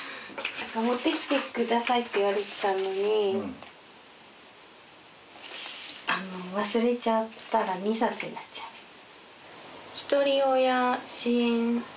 持ってきてくださいって言われてたのに忘れちゃったら２冊になっちゃいました。